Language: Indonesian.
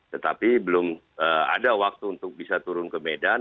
tetapi belum ada waktu untuk bisa turun ke medan